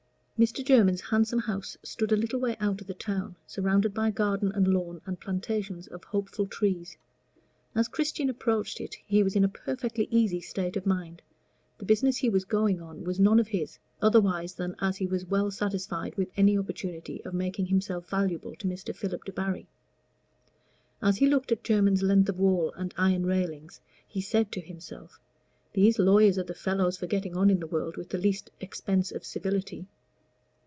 Mr. Jermyn's handsome house stood a little way out of the town, surrounded by garden and lawn and plantations of hopeful trees. As Christian approached it he was in a perfectly easy state of mind: the business he was going on was none of his, otherwise than as he was well satisfied with any opportunity of making himself valuable to Mr. Philip Debarry. As he looked at Jermyn's length of wall and iron railing, he said to himself, "These lawyers are the fellows for getting on in the world with the least expense of civility.